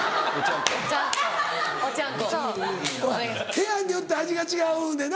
部屋によって味が違うねんな。